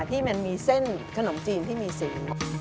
ที่มันมีเส้นขนมจีนที่มีสี